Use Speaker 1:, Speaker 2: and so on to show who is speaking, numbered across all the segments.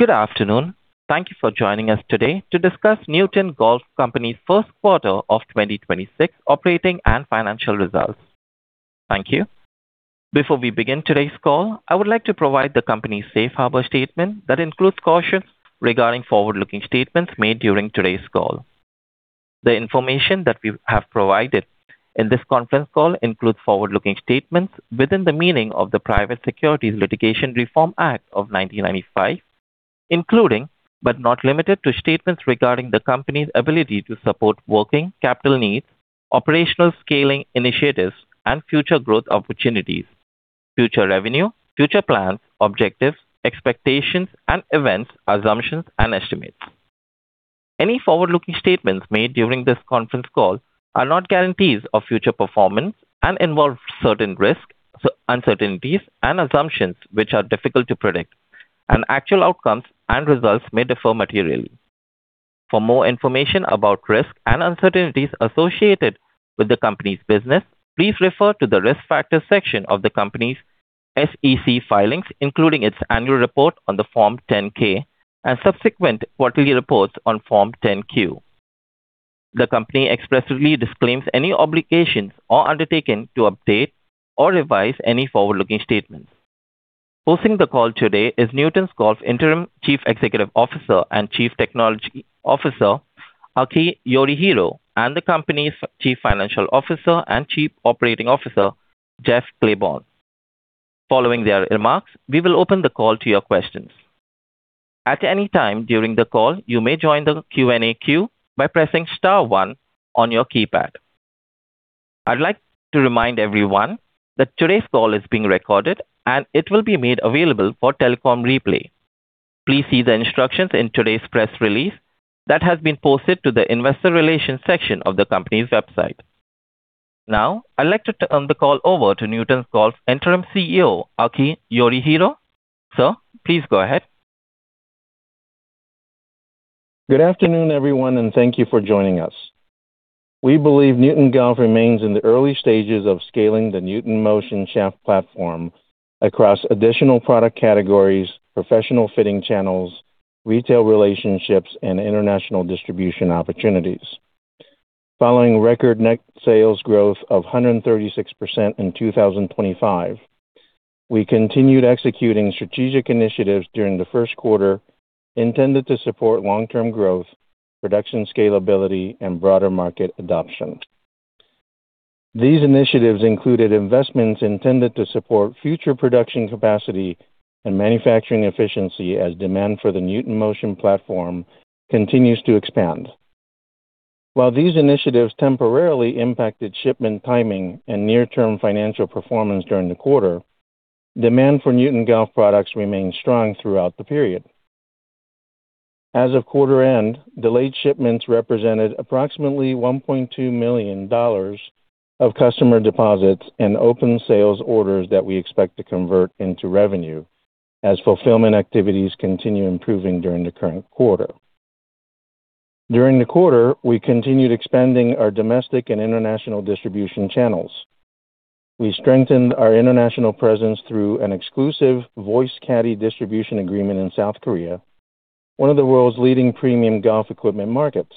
Speaker 1: Good afternoon. Thank you for joining us today to discuss Newton Golf Company's first quarter of 2026 operating and financial results. Thank you. Before we begin today's call, I would like to provide the company's safe harbor statement that includes cautions regarding forward-looking statements made during today's call. The information that we have provided in this conference call includes forward-looking statements within the meaning of the Private Securities Litigation Reform Act of 1995, including, but not limited to, statements regarding the company's ability to support working capital needs, operational scaling initiatives, and future growth opportunities, future revenue, future plans, objectives, expectations and events, assumptions, and estimates. Any forward-looking statements made during this conference call are not guarantees of future performance and involve certain risks, uncertainties, and assumptions which difficult to predict, and actual outcomes and results may differ materially. For more information about risks and uncertainties associated with the company's business, please refer to the Risk Factors section of the company's SEC filings, including its annual report on the Form 10-K and subsequent quarterly reports on Form 10-Q. The company expressly disclaims any obligation or undertaking to update or revise any forward-looking statement. Hosting the call today is Newton Golf Interim Chief Executive Officer and Chief Technology Officer, Aki Yorihiro, and the company's Chief Financial Officer and Chief Operating Officer, Jeff Clayborne. Following their remarks, we will open the call to your questions. At any time during the call, you may join the Q&A queue by pressing star 1 on your keypad. I'd like to remind everyone that today's call is being recorded, and it will be made available for telecom replay. Please see the instructions in today's press release that has been posted to the investor relations section of the company's website. I'd like to turn the call over to Newton's Golf Interim CEO, Aki Yorihiro. Sir, please go ahead.
Speaker 2: Good afternoon, everyone, and thank you for joining us. We believe Newton Golf remains in the early stages of scaling the Newton Motion Shaft platform across additional product categories, professional fitting channels, retail relationships, and international distribution opportunities. Following record net sales growth of 136% in 2025, we continued executing strategic initiatives during the first quarter intended to support long-term growth, production scalability, and broader market adoption. These initiatives included investments intended to support future production capacity and manufacturing efficiency as demand for the Newton Motion platform continues to expand. While these initiatives temporarily impacted shipment timing and near-term financial performance during the quarter, demand for Newton Golf products remained strong throughout the period. As of quarter end, delayed shipments represented approximately $1.2 million of customer deposits and open sales orders that we expect to convert into revenue as fulfillment activities continue improving during the current quarter. During the quarter, we continued expanding our domestic and international distribution channels. We strengthened our international presence through an exclusive Voice Caddie distribution agreement in South Korea, one of the world's leading premium golf equipment markets.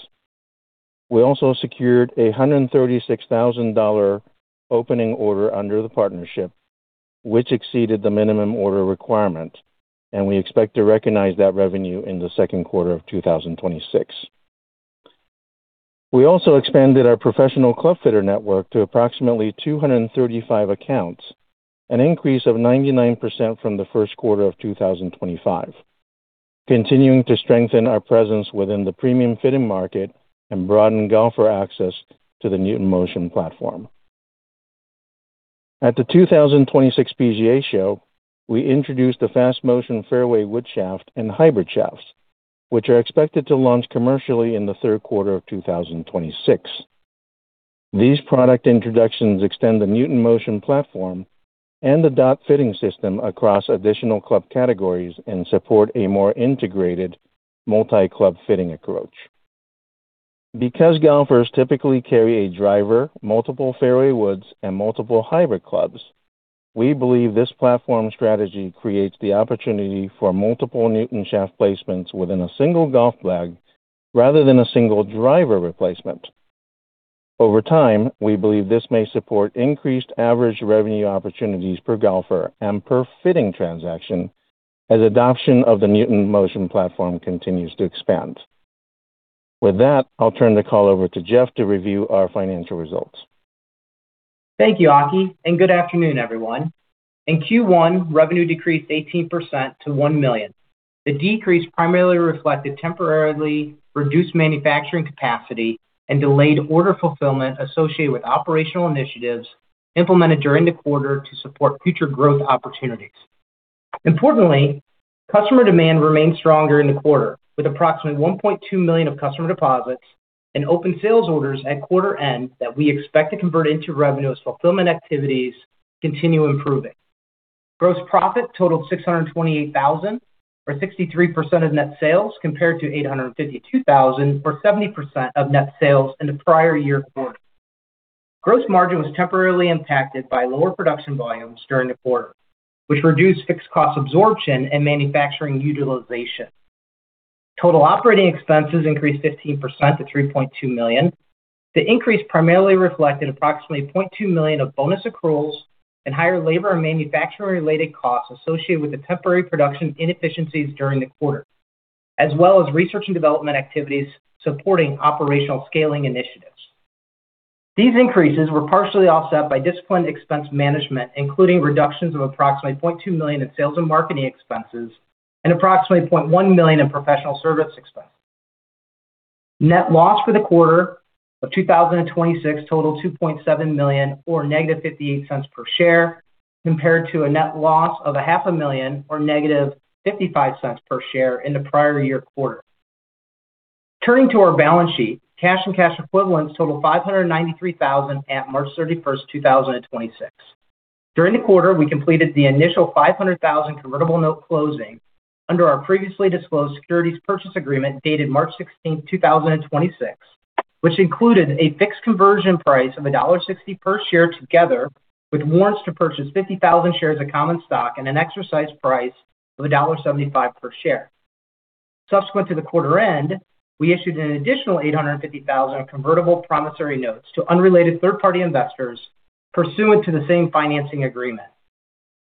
Speaker 2: We also secured a $136,000 opening order under the partnership, which exceeded the minimum order requirement, and we expect to recognize that revenue in the second quarter of 2026. We also expanded our professional club fitter network to approximately 235 accounts, an increase of 99% from the first quarter of 2025, continuing to strengthen our presence within the premium fitting market and broaden golfer access to the Newton Motion platform. At the 2026 PGA Show, we introduced the Fast Motion fairway wood shaft and hybrid shafts, which are expected to launch commercially in the third quarter of 2026. These product introductions extend the Newton Motion platform and the DOT fitting system across additional club categories and support a more integrated multi-club fitting approach. Because golfers typically carry a driver, multiple fairway woods, and multiple hybrid clubs, we believe this platform strategy creates the opportunity for multiple Newton shaft placements within a single golf bag rather than a single driver replacement. Over time, we believe this may support increased average revenue opportunities per golfer and per fitting transaction as adoption of the Newton Motion platform continues to expand. With that, I'll turn the call over to Jeff to review our financial results.
Speaker 3: Thank you, Aki, and good afternoon, everyone. In Q1, revenue decreased 18% to $1 million. The decrease primarily reflected temporarily reduced manufacturing capacity and delayed order fulfillment associated with operational initiatives implemented during the quarter to support future growth opportunities. Importantly, customer demand remained stronger in the quarter, with approximately $1.2 million of customer deposits and open sales orders at quarter end that we expect to convert into revenue as fulfillment activities continue improving. Gross profit totaled $628,000 or 63% of net sales compared to $852,000 or 70% of net sales in the prior year quarter. Gross margin was temporarily impacted by lower production volumes during the quarter, which reduced fixed cost absorption and manufacturing utilization. Total operating expenses increased 15% to $3.2 million. The increase primarily reflected approximately $0.2 million of bonus accruals and higher labor and manufacturing-related costs associated with the temporary production inefficiencies during the quarter, as well as research and development activities supporting operational scaling initiatives. These increases were partially offset by disciplined expense management, including reductions of approximately $0.2 million in sales and marketing expenses and approximately $0.1 million in professional service expenses. Net loss for the quarter of 2026 totaled $2.7 million, or -$0.58 per share, compared to a net loss of a half a million, or -$0.55 per share in the prior year quarter. Turning to our balance sheet, cash and cash equivalents totaled $593,000 at March 31st, 2026. During the quarter, we completed the initial 500,000 convertible note closing under our previously disclosed securities purchase agreement dated March 16th, 2026, which included a fixed conversion price of $1.60 per share, together with warrants to purchase 50,000 shares of common stock at an exercise price of $1.75 per share. Subsequent to the quarter end, we issued an additional 850,000 of convertible promissory notes to unrelated third-party investors pursuant to the same financing agreement.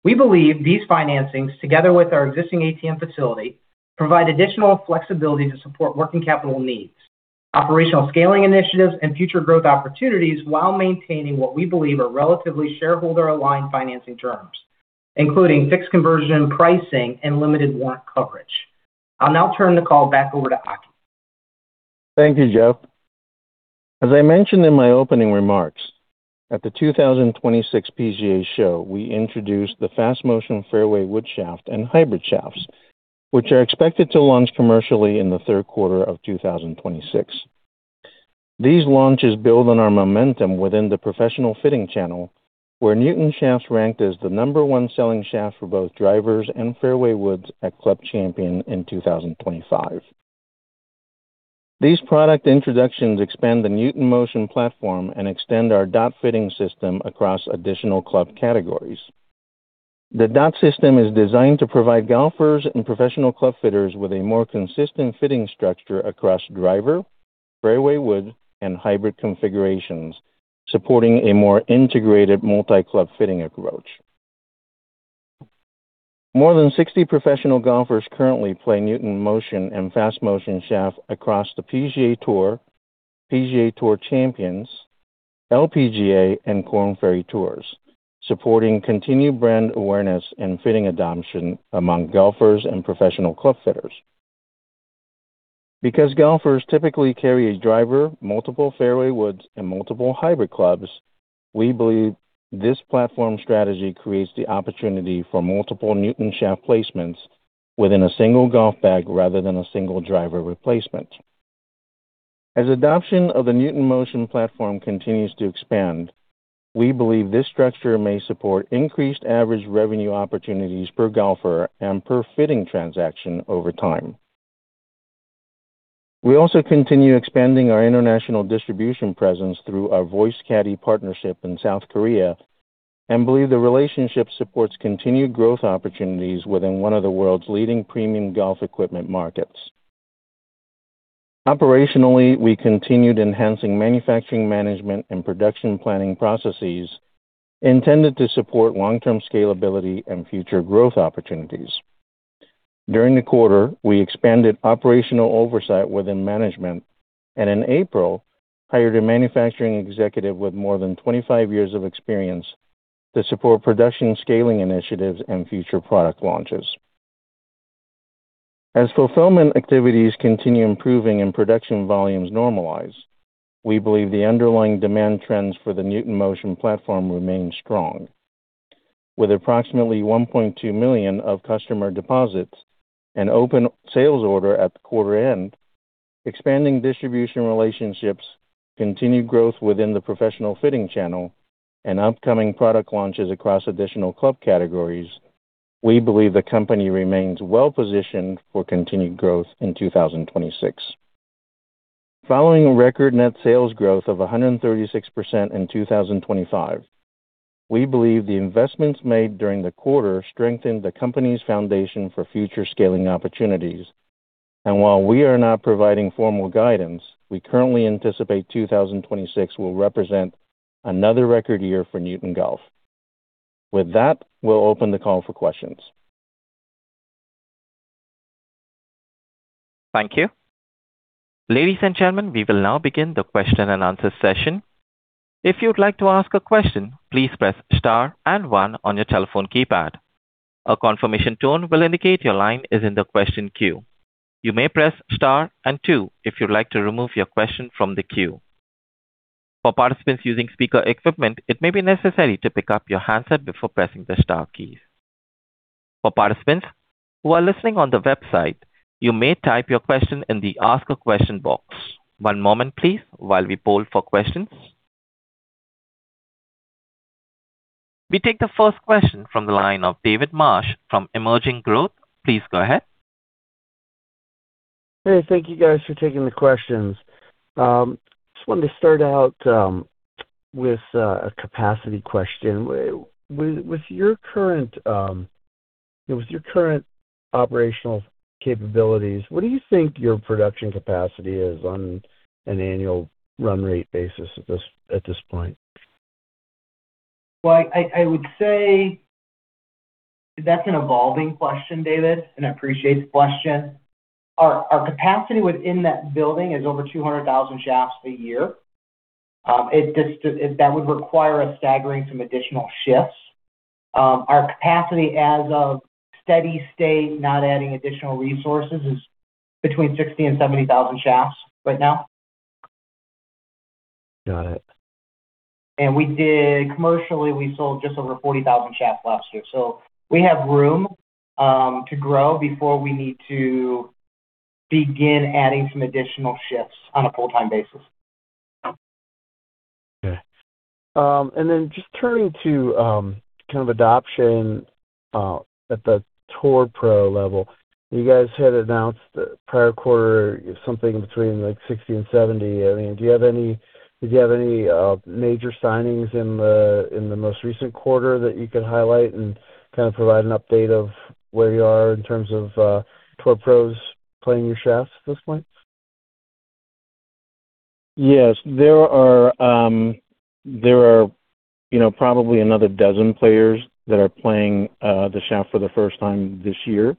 Speaker 3: We believe these financings, together with our existing ATM facility, provide additional flexibility to support working capital needs, operational scaling initiatives, and future growth opportunities while maintaining what we believe are relatively shareholder-aligned financing terms, including fixed conversion pricing and limited warrant coverage. I'll now turn the call back over to Aki.
Speaker 2: Thank you, Jeff. As I mentioned in my opening remarks, at the 2026 PGA Show, we introduced the Fast Motion fairway wood shaft and hybrid shafts, which are expected to launch commercially in the third quarter of 2026. These launches build on our momentum within the professional fitting channel, where Newton shafts ranked as the number 1 selling shaft for both drivers and fairway woods at Club Champion in 2025. These product introductions expand the Newton Motion platform and extend our DOT fitting system across additional club categories. The DOT system is designed to provide golfers and professional club fitters with a more consistent fitting structure across driver, fairway wood, and hybrid configurations, supporting a more integrated multi-club fitting approach. More than 60 professional golfers currently play Newton Motion and Fast Motion shaft across the PGA Tour, PGA Tour Champions, LPGA, and Korn Ferry Tour, supporting continued brand awareness and fitting adoption among golfers and professional club fitters. Because golfers typically carry a driver, multiple fairway woods, and multiple hybrid clubs, we believe this platform strategy creates the opportunity for multiple Newton shaft placements within a single golf bag rather than a single driver replacement. As adoption of the Newton Motion platform continues to expand, we believe this structure may support increased average revenue opportunities per golfer and per fitting transaction over time. We also continue expanding our international distribution presence through our Voice Caddie partnership in South Korea and believe the relationship supports continued growth opportunities within one of the world's leading premium golf equipment markets. Operationally, we continued enhancing manufacturing management and production planning processes intended to support long-term scalability and future growth opportunities. During the quarter, we expanded operational oversight within management and in April hired a manufacturing executive with more than 25 years of experience to support production scaling initiatives and future product launches. As fulfillment activities continue improving and production volumes normalize, we believe the underlying demand trends for the Newton Motion platform remain strong. With approximately $1.2 million of customer deposits and open sales order at the quarter end, expanding distribution relationships, continued growth within the professional fitting channel, and upcoming product launches across additional club categories, we believe the company remains well-positioned for continued growth in 2026. Following record net sales growth of 136% in 2025, we believe the investments made during the quarter strengthened the Company's foundation for future scaling opportunities. While we are not providing formal guidance, we currently anticipate 2026 will represent another record year for Newton Golf. With that, we'll open the call for questions.
Speaker 1: Thank you. Ladies and gentlemen, we will now begin the question and answer session. If you'd like to ask a question, please press star and one on your telephone keypad. A confirmation tone will indicate your line is in the question queue. You may press star and two if you'd like to remove your question from the queue. For participants using speaker equipment, it may be necessary to pick up your handset before pressing the star key. For participants who are listening on the website, you may type your question in the ask a question box. One moment, please, while we poll for questions. We take the first question from the line of David Marsh from Emerging Growth. Please go ahead.
Speaker 4: Hey, thank you guys for taking the questions. Just wanted to start out with a capacity question. With your current, you know, with your current operational capabilities, what do you think your production capacity is on an annual run rate basis at this, at this point?
Speaker 3: Well, I would say that's an evolving question, David, and I appreciate the question. Our capacity within that building is over 200,000 shafts a year. That would require us staggering some additional shifts. Our capacity as a steady state, not adding additional resources, is between 60,000 and 70,000 shafts right now.
Speaker 4: Got it.
Speaker 3: We did commercially, we sold just over 40,000 shafts last year. We have room to grow before we need to begin adding some additional shifts on a full-time basis.
Speaker 4: Okay. Just turning to kind of adoption at the Tour Pro level. You guys had announced the prior quarter something between 60 and 70. I mean, do you have any major signings in the most recent quarter that you could highlight and kind of provide an update of where you are in terms of Tour Pros playing your shafts at this point?
Speaker 2: Yes. There are, you know, probably another a dozen players that are playing the shaft for the first time this year,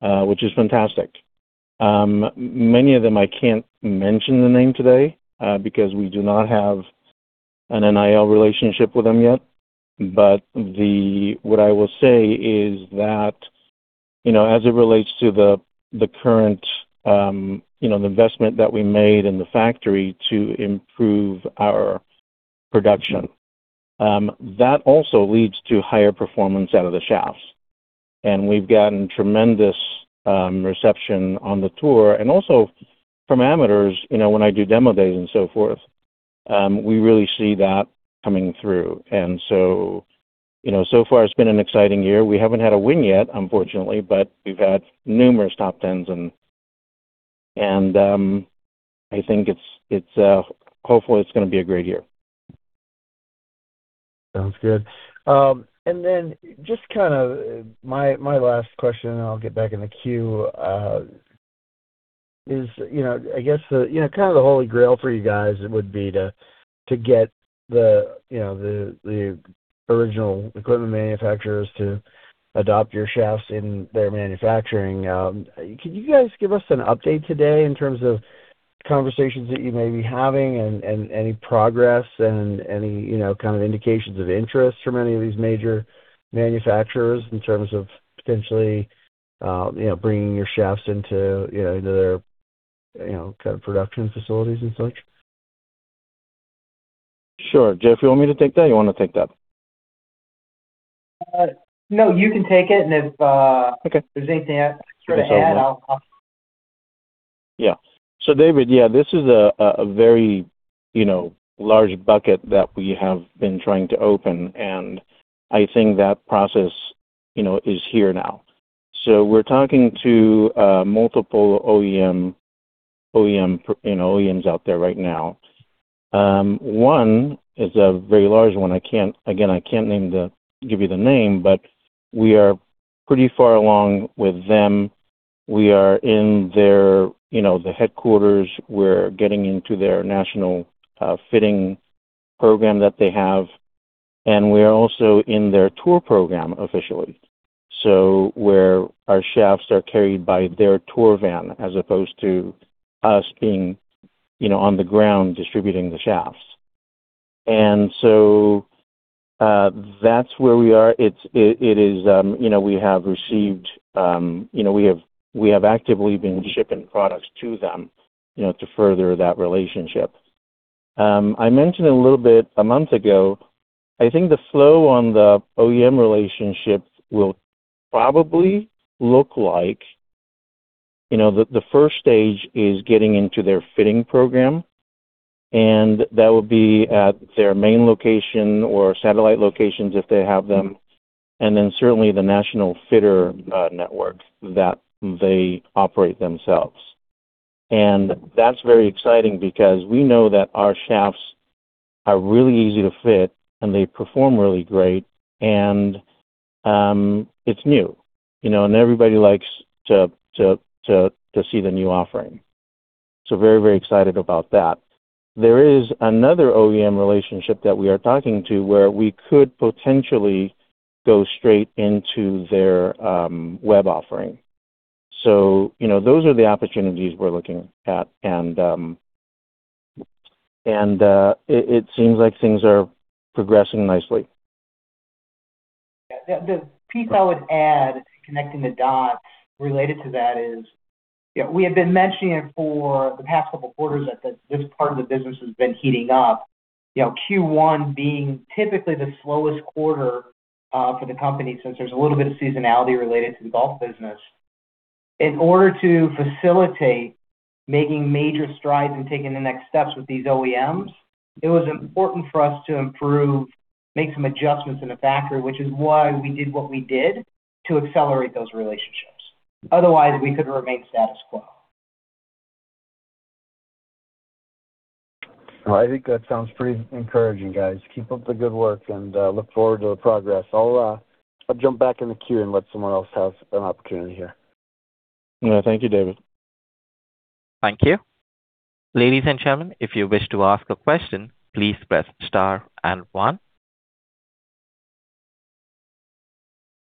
Speaker 2: which is fantastic. Many of them, I can't mention the name today, because we do not have an NIL relationship with them yet. What I will say is that, you know, as it relates to the current, you know, the investment that we made in the factory to improve our production, that also leads to higher performance out of the shafts. We've gotten tremendous reception on the tour and also from amateurs, you know, when I do demo days and so forth. We really see that coming through. You know, so far it's been an exciting year. We haven't had a win yet, unfortunately, but we've had numerous top tens and, I think it's, hopefully, it's gonna be a great year.
Speaker 4: Sounds good. Just kind of my last question, and I'll get back in the queue, is, you know, I guess the, you know, kind of the holy grail for you guys would be to get the, you know, the original equipment manufacturers to adopt your shafts in their manufacturing. Can you guys give us an update today in terms of conversations that you may be having and any progress and any, you know, kind of indications of interest from any of these major manufacturers in terms of potentially, you know, bringing your shafts into their, you know, kind of production facilities and such?
Speaker 2: Sure. Jeff, you want me to take that or you wanna take that?
Speaker 3: No, you can take it.
Speaker 2: Okay
Speaker 3: There's anything I can sort of add, I'll.
Speaker 2: David, this is a very, you know, large bucket that we have been trying to open. I think that process, you know, is here now. We're talking to multiple OEMs out there right now. One is a very large one. Again, I can't give you the name, but we are pretty far along with them. We are in their, you know, the headquarters. We're getting into their national fitting program that they have. We are also in their tour program officially. Where our shafts are carried by their tour van as opposed to us being, you know, on the ground distributing the shafts. That's where we are. It's, you know, we have received, you know, we have actively been shipping products to them, you know, to further that relationship. I mentioned a little bit a month ago, I think the flow on the OEM relationship will probably look like, you know, the first stage is getting into their fitting program, and that would be at their main location or satellite locations if they have them, and then certainly the national fitter network that they operate themselves. That's very exciting because we know that our shafts are really easy to fit, and they perform really great, and, it's new, you know, and everybody likes to see the new offering. Very, very excited about that. There is another OEM relationship that we are talking to where we could potentially go straight into their web offering. You know, those are the opportunities we're looking at and it seems like things are progressing nicely.
Speaker 3: Yeah. The piece I would add, connecting the dots related to that is, you know, we have been mentioning it for the past couple of quarters that this part of the business has been heating up. You know, Q1 being typically the slowest quarter for the company since there's a little bit of seasonality related to the golf business. In order to facilitate making major strides and taking the next steps with these OEMs, it was important for us to improve, make some adjustments in the factory, which is why we did what we did to accelerate those relationships. Otherwise, we could remain status quo.
Speaker 4: I think that sounds pretty encouraging, guys. Keep up the good work, and, look forward to the progress. I'll jump back in the queue and let someone else have an opportunity here.
Speaker 2: Yeah. Thank you, David.
Speaker 1: Thank you. Ladies and gentlemen, if you wish to ask a question, please press star and one.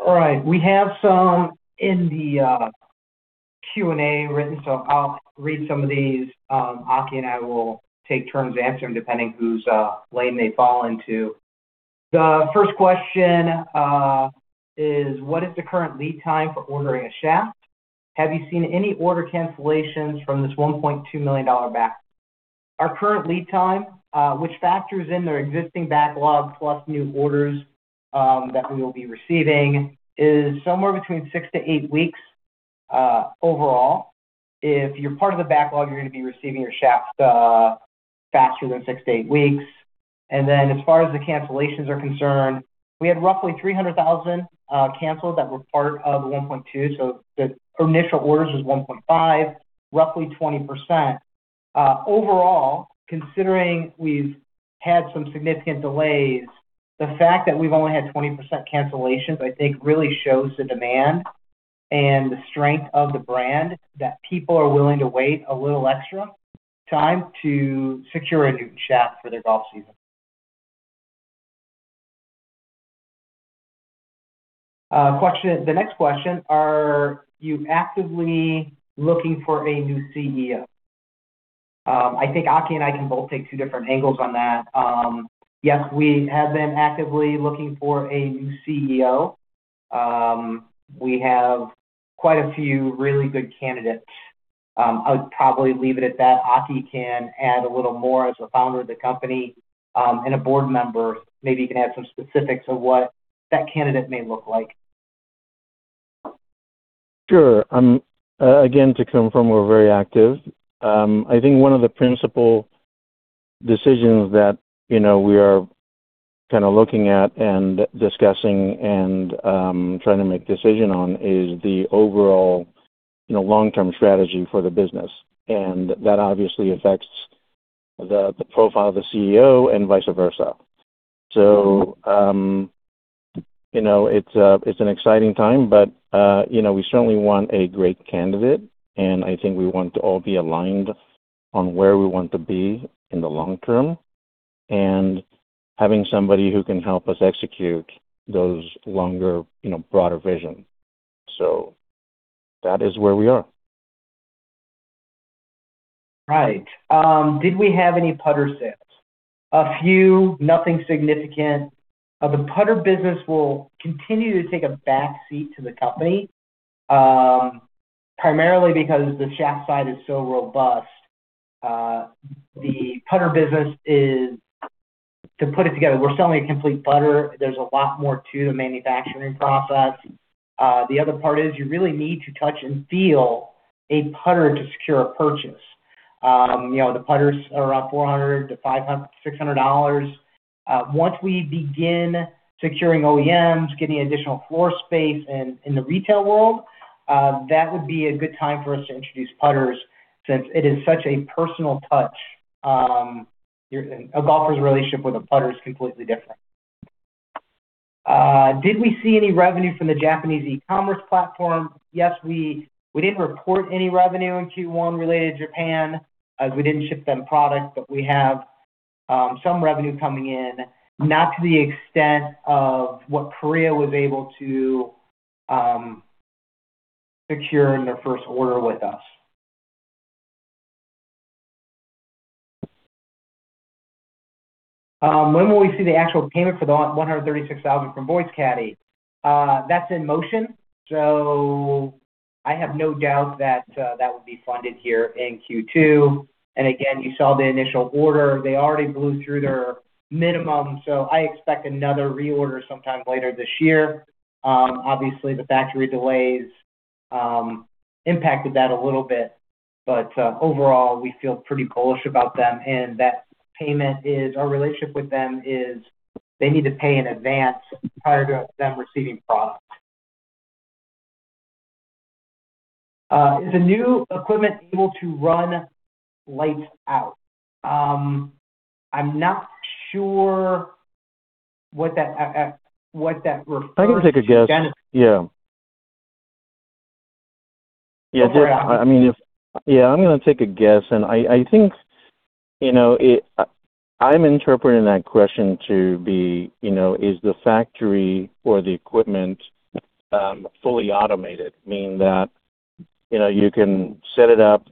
Speaker 3: All right. We have some in the Q&A written, I'll read some of these. Aki and I will take turns answering, depending whose lane they fall into. The first question is: What is the current lead time for ordering a shaft? Have you seen any order cancellations from this $1.2 million backlog? Our current lead time, which factors in their existing backlog plus new orders that we will be receiving, is somewhere between six to eight weeks overall. If you're part of the backlog, you're gonna be receiving your shafts faster than six to eight weeks. As far as the cancellations are concerned, we had roughly $300,000 canceled that were part of the $1.2 millon, the initial orders was $1.5 million, roughly 20%. Overall, considering we've had some significant delays, the fact that we've only had 20% cancellations, I think really shows the demand and the strength of the brand that people are willing to wait a little extra time to secure a new shaft for their golf season. The next question: Are you actively looking for a new CEO? Yes, I think Aki and I can both take two different angles on that. We have been actively looking for a new CEO. We have quite a few really good candidates. I would probably leave it at that. Aki can add a little more. As a founder of the company, and a board member, maybe you can add some specifics of what that candidate may look like.
Speaker 2: Sure. Again, to confirm, we're very active. I think one of the principal decisions that, you know, we are kinda looking at and discussing and trying to make decision on is the overall, you know, long-term strategy for the business, and that obviously affects the profile of the CEO and vice versa. You know, it's an exciting time, but we certainly want a great candidate, and I think we want to all be aligned on where we want to be in the long-term and having somebody who can help us execute those longer, you know, broader vision. That is where we are.
Speaker 3: Did we have any putter sales? A few, nothing significant. The putter business will continue to take a back seat to the company, primarily because the shaft side is so robust. The putter business is to put it together, we're selling a complete putter. There's a lot more to the manufacturing process. The other part is you really need to touch and feel a putter to secure a purchase. You know, the putters are around $400-$600. Once we begin securing OEMs, getting additional floor space in the retail world, that would be a good time for us to introduce putters since it is such a personal touch. A golfer's relationship with a putter is completely different. Did we see any revenue from the Japanese e-commerce platform? Yes, we didn't report any revenue in Q1 related to Japan as we didn't ship them product, but we have some revenue coming in, not to the extent of what Korea was able to secure in their first order with us. When will we see the actual payment for the $136,000 from Voice Caddie? That's in motion, so I have no doubt that that would be funded here in Q2. Again, you saw the initial order. They already blew through their minimum, so I expect another reorder sometime later this year. Obviously, the factory delays impacted that a little bit, but overall, we feel pretty bullish about them. Our relationship with them is they need to pay in advance prior to them receiving product. Is the new equipment able to run lights out? I'm not sure what that refers to.
Speaker 2: I can take a guess. Yeah.
Speaker 3: -again.
Speaker 2: Just, I'm gonna take a guess, and I think, you know, it, I'm interpreting that question to be, you know, is the factory or the equipment fully automated? Meaning that, you know, you can set it up,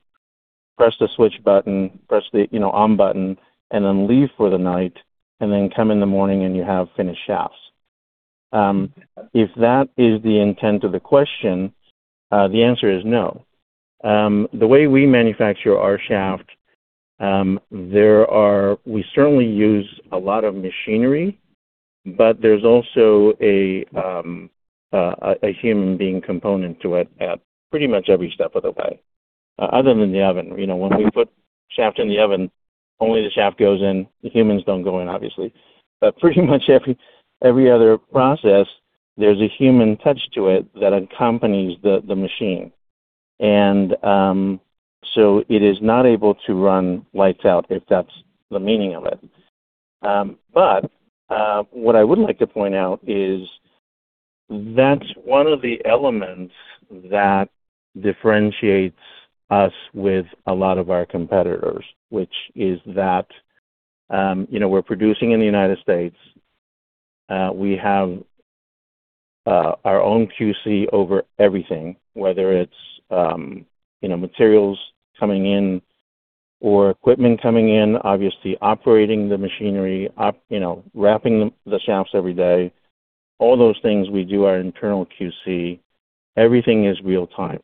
Speaker 2: press the switch button, press the, you know, on button, and then leave for the night, and then come in the morning, and you have finished shafts. If that is the intent of the question, the answer is no. The way we manufacture our shaft, we certainly use a lot of machinery. There's also a human being component to it at pretty much every step of the way, other than the oven. You know, when we put shaft in the oven, only the shaft goes in. The humans don't go in, obviously. Pretty much every other process, there's a human touch to it that accompanies the machine. It is not able to run lights out if that's the meaning of it. What I would like to point out is that's one of the elements that differentiates us with a lot of our competitors, which is that, you know, we're producing in the United States. We have our own QC over everything, whether it's, you know, materials coming in or equipment coming in, obviously operating the machinery, you know, wrapping the shafts every day. All those things we do our internal QC. Everything is real time.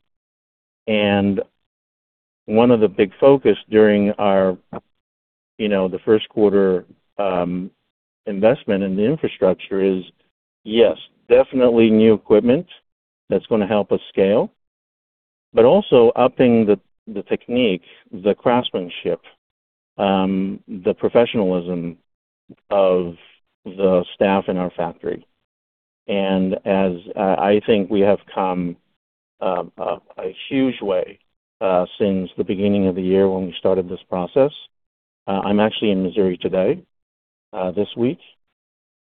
Speaker 2: One of the big focus during our, you know, the first quarter, investment in the infrastructure is, yes, definitely new equipment that's gonna help us scale, but also upping the technique, the craftsmanship, the professionalism of the staff in our factory. As I think we have come a huge way since the beginning of the year when we started this process. I'm actually in Missouri today, this week,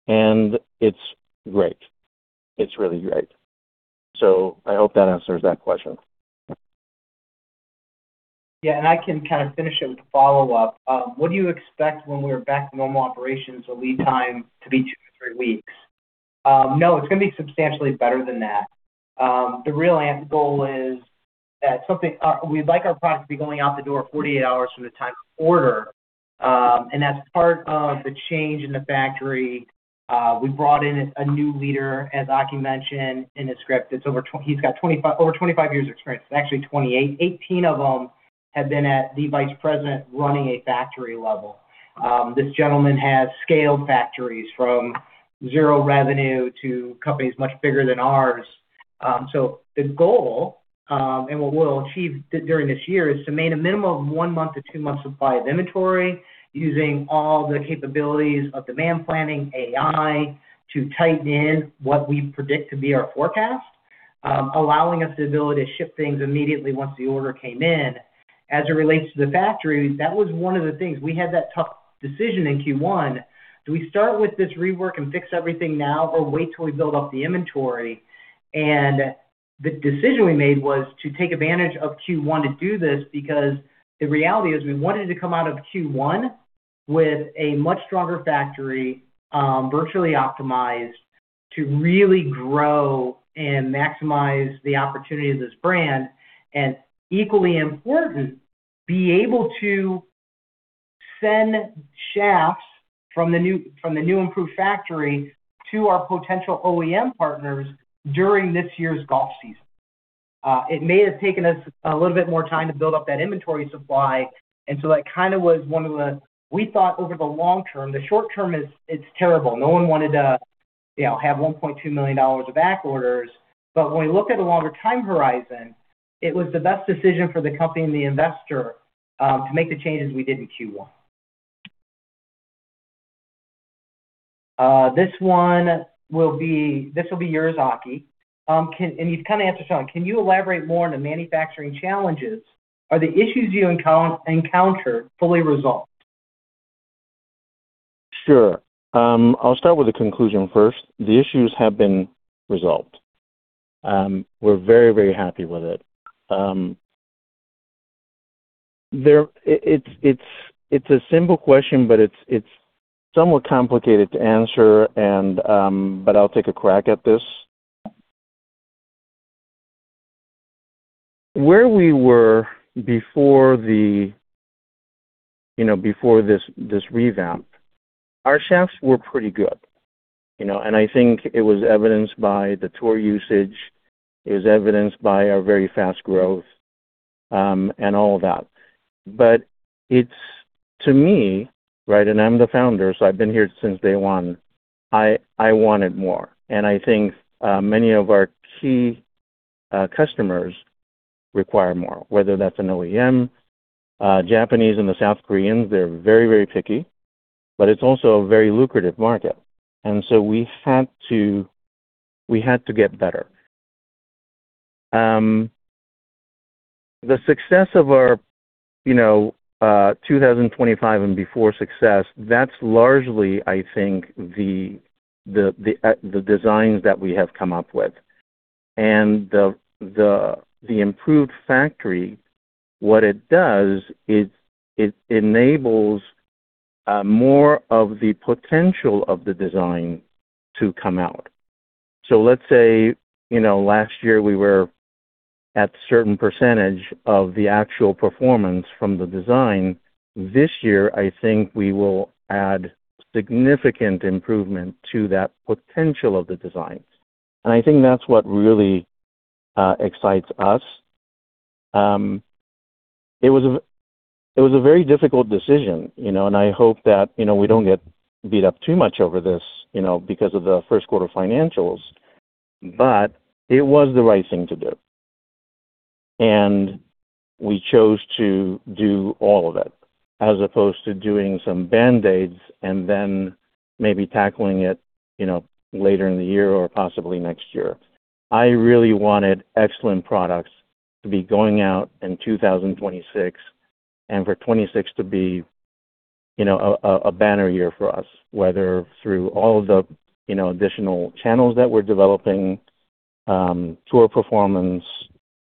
Speaker 2: and it's great. It's really great. I hope that answers that question.
Speaker 3: I can kind of finish it with a follow-up. What do you expect when we're back to normal operations, the lead time to be two to three weeks? No, it's gonna be substantially better than that. The real end goal is that we'd like our products to be going out the door 48 hours from the time of order. As part of the change in the factory, we brought in a new leader, as Aki mentioned in his script. It's over 25 years experience. It's actually 28. 18 of them have been at the Vice President running a factory level. This gentleman has scaled factories from zero revenue to companies much bigger than ours. The goal, what we'll achieve during this year is to maintain a minimum of one month to two months supply of inventory using all the capabilities of demand planning, AI, to tighten in what we predict to be our forecast, allowing us the ability to ship things immediately once the order came in. As it relates to the factory, that was one of the things. We had that tough decision in Q1. Do we start with this rework and fix everything now or wait till we build up the inventory? The decision we made was to take advantage of Q1 to do this because the reality is we wanted to come out of Q1 with a much stronger factory, virtually optimized to really grow and maximize the opportunity of this brand, and equally important, be able to send shafts from the new improved factory to our potential OEM partners during this year's golf season. It may have taken us a little bit more time to build up that inventory supply. We thought over the long-term, the short-term is, it's terrible. No one wanted to, you know, have $1.2 million of back orders. When we look at the longer time horizon, it was the best decision for the company and the investor, to make the changes we did in Q1. This will be yours, Aki. You've kinda answered some. Can you elaborate more on the manufacturing challenges? Are the issues you encounter fully resolved?
Speaker 2: Sure. I'll start with the conclusion first. The issues have been resolved. We're very happy with it. It's a simple question, but it's somewhat complicated to answer. I'll take a crack at this. Where we were before the, you know, before this revamp, our shafts were pretty good, you know. I think it was evidenced by the tour usage, it was evidenced by our very fast growth, and all that. It's, to me, right, and I'm the founder, so I've been here since day one, I wanted more. I think many of our key customers require more, whether that's an OEM. Japanese and the South Koreans, they're very picky. It's also a very lucrative market. We had to get better. The success of our, you know, 2025 and before success, that's largely, I think, the designs that we have come up with. The improved factory, what it does is it enables more of the potential of the design to come out. Let's say, you know, last year we were at certain percentage of the actual performance from the design. This year, I think we will add significant improvement to that potential of the designs, and I think that's what really excites us. It was a very difficult decision, you know, and I hope that, you know, we don't get beat up too much over this, you know, because of the first quarter financials. It was the right thing to do. We chose to do all of it, as opposed to doing some band-aids and then maybe tackling it, you know, later in the year or possibly next year. I really wanted excellent products to be going out in 2026, and for 2026 to be, you know, a banner year for us, whether through all the, you know, additional channels that we're developing, tour performance,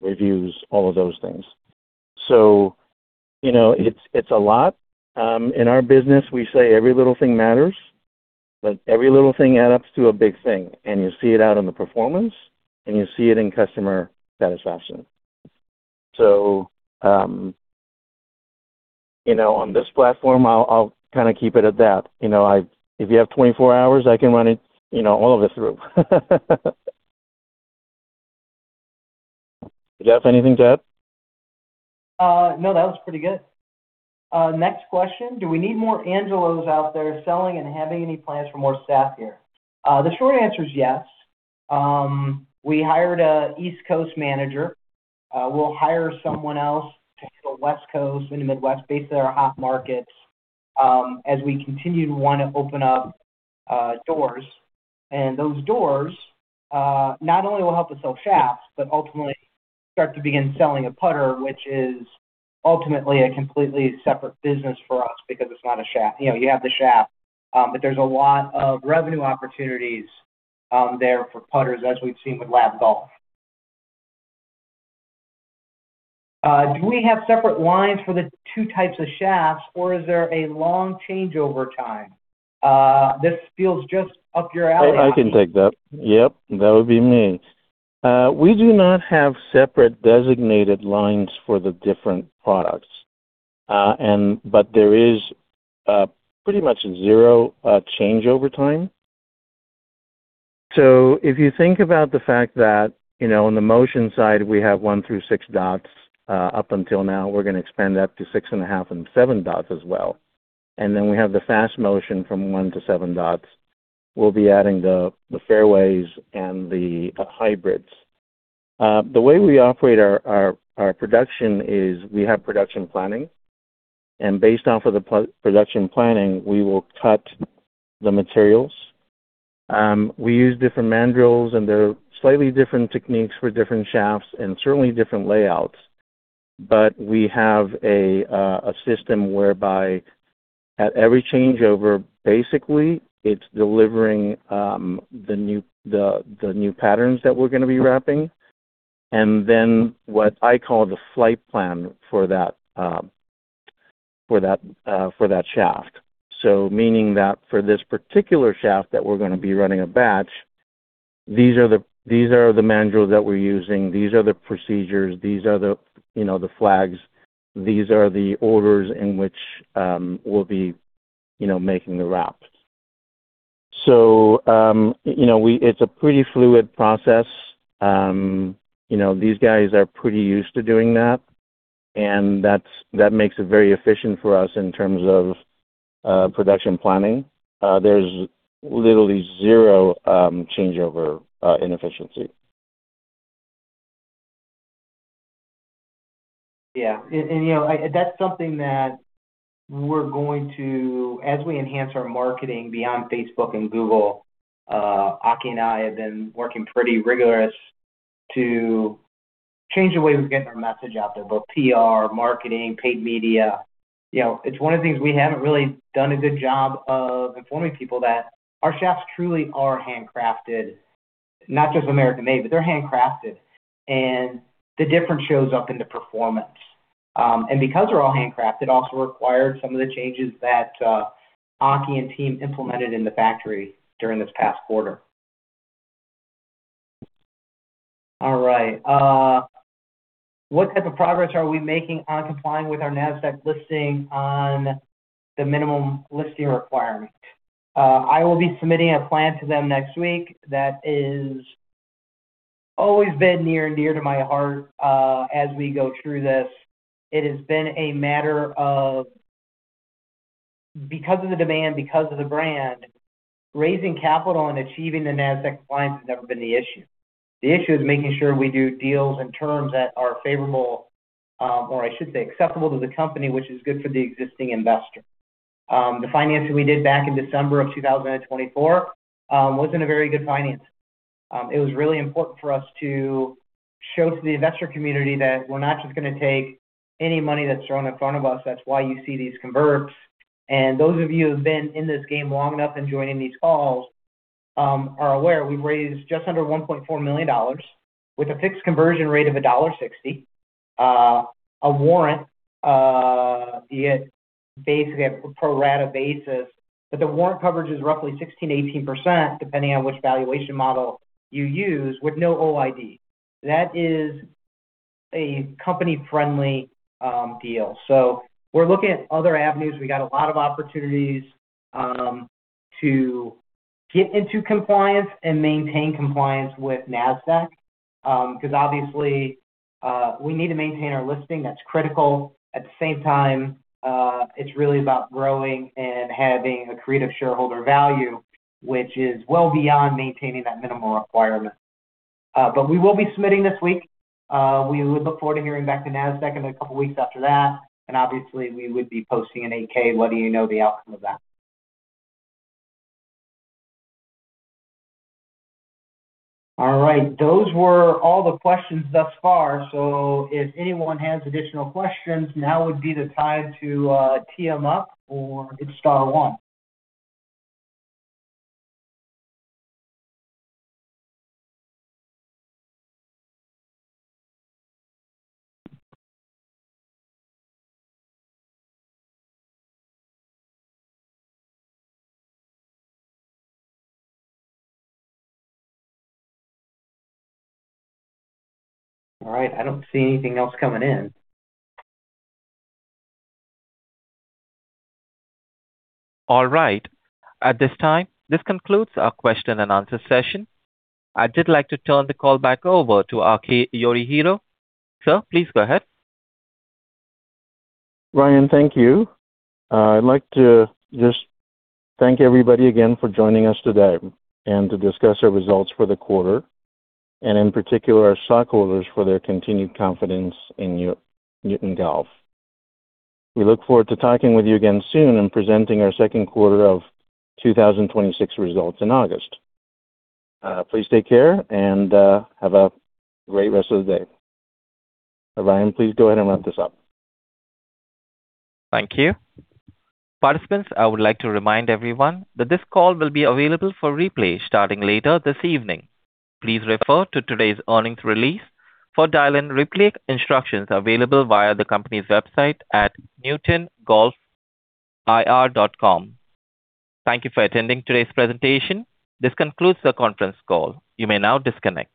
Speaker 2: reviews, all of those things. You know, it's a lot. In our business, we say every little thing matters, but every little thing adds up to a big thing, and you see it out in the performance, and you see it in customer satisfaction. You know, on this platform, I'll kinda keep it at that. You know, if you have 24 hours, I can run it, you know, all of this through. Jeff, anything to add?
Speaker 3: No, that was pretty good. Next question. Do we need more Angelos out there selling and having any plans for more staff here? The short answer is yes. We hired a East Coast manager. We'll hire someone else to the West Coast and the Midwest, basically our hot markets, as we continue to wanna open up doors. Those doors, not only will help us sell shafts, but ultimately start to begin selling a putter, which is ultimately a completely separate business for us because it's not a shaft. You know, you have the shaft, but there's a lot of revenue opportunities there for putters, as we've seen with L.A.B. Golf. Do we have separate lines for the two types of shafts, or is there a long changeover time? This feels just up your alley, Aki.
Speaker 2: I can take that. Yep, that would be me. We do not have separate designated lines for the different products. There is pretty much zero changeover time. If you think about the fact that, you know, on the Motion side, we have one through six dots up until now. We're going to expand that to six and a half and seven dots as well. We have the Fast Motion from one to seven dots. We'll be adding the fairways and the hybrids. The way we operate our production is we have production planning. Based off of the production planning, we will cut the materials. We use different mandrels, and they're slightly different techniques for different shafts and certainly different layouts. We have a system whereby at every changeover, basically, it's delivering the new patterns that we're gonna be wrapping, and then what I call the flight plan for that for that for that shaft. Meaning that for this particular shaft that we're gonna be running a batch, these are the mandrels that we're using. These are the procedures. These are the, you know, the flags. These are the orders in which we'll be, you know, making the wraps. You know, it's a pretty fluid process. You know, these guys are pretty used to doing that makes it very efficient for us in terms of production planning. There's literally zero changeover inefficiency.
Speaker 3: You know, that's something that we're going to, as we enhance our marketing beyond Facebook and Google, Aki and I have been working pretty rigorous to change the way we get our message out there, both PR, marketing, paid media. You know, it's one of the things we haven't really done a good job of informing people that our shafts truly are handcrafted. Not just American-made, but they're handcrafted, and the difference shows up in the performance. Because they're all handcrafted, also required some of the changes that Aki and team implemented in the factory during this past quarter. All right. What type of progress are we making on complying with our Nasdaq listing on the minimum listing requirement? I will be submitting a plan to them next week that is always been near and dear to my heart as we go through this. It has been a matter of, because of the demand, because of the brand, raising capital and achieving the Nasdaq compliance has never been the issue. The issue is making sure we do deals and terms that are favorable, or I should say acceptable to the company, which is good for the existing investor. The financing we did back in December of 2024 wasn't a very good finance. It was really important for us to show to the investor community that we're not just gonna take any money that's thrown in front of us. That's why you see these converts. Those of you who have been in this game long enough and joining these calls are aware we've raised just under $1.4 million with a fixed conversion rate of $1.60. A warrant, be it basically a pro rata basis, but the warrant coverage is roughly 16%-18%, depending on which valuation model you use, with no OID. That is a company-friendly deal. We're looking at other avenues. We got a lot of opportunities to get into compliance and maintain compliance with Nasdaq, 'cause obviously, we need to maintain our listing. That's critical. At the same time, it's really about growing and having a creative shareholder value, which is well beyond maintaining that minimal requirement. We will be submitting this week. We would look forward to hearing back to Nasdaq in a couple weeks after that. Obviously, we would be posting a Form 8-K letting you know the outcome of that. All right, those were all the questions thus far. If anyone has additional questions, now would be the time to tee them up or hit star one.
Speaker 1: All right, I don't see anything else coming in. All right. At this time, this concludes our question and answer session. I did like to turn the call back over to Aki Yorihiro. Sir, please go ahead.
Speaker 2: Ryan, thank you. I'd like to just thank everybody again for joining us today and to discuss our results for the quarter, and in particular our stockholders for their continued confidence in Newton Golf. We look forward to talking with you again soon and presenting our second quarter of 2026 results in August. Please take care and have a great rest of the day. Ryan, please go ahead and wrap this up.
Speaker 1: Thank you. Participants, I would like to remind everyone that this call will be available for replay starting later this evening. Please refer to today's earnings release for dial-in replay instructions available via the company's website at newtongolfir.com. Thank you for attending today's presentation. This concludes the conference call. You may now disconnect.